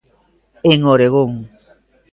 En Oregón.